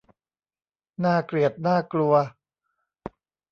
น่าเกลียดน่ากลัว